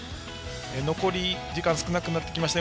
残り時間少なくなってきました。